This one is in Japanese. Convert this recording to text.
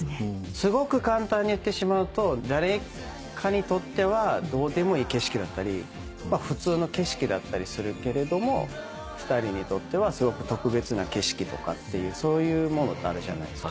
すごく簡単に言ってしまうと誰かにとってはどうでもいい景色だったり普通の景色だったりするけれども２人にとってはすごく特別な景色とかっていうそういうものってあるじゃないですか。